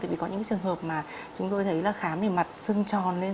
thì có những trường hợp mà chúng tôi thấy là khám thì mặt sưng tròn lên